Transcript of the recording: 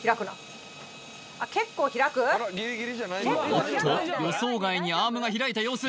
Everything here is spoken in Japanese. おっと予想外にアームが開いた様子